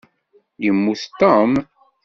Yemmut Tom?